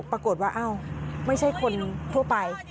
ปรากฏว่าอ้าวไม่ใช่คนทั่วไป